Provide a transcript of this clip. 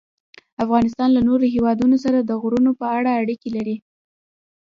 افغانستان له نورو هېوادونو سره د غرونو په اړه اړیکې لري.